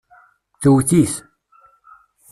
Tewwet-it.